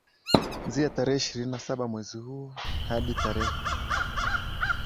nzia tarehe ishirini na saba mwezi huu hadi tarehe